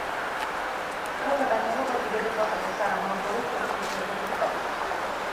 დროთა განმავლობაში დედოფალსა და სარა მალბოროს შორის ურთიერთობები გაცივდა.